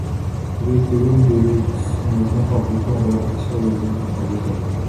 Тэрээр дөрөөн дээрээ боссоноо мориныхоо бүдүүн гуянд ташуур өгөн цогиулав.